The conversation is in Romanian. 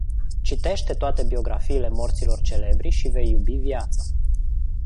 Citește toate biografiile morților celebri și vei iubi viața.